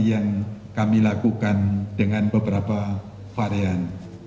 yang kami lakukan dengan beberapa varian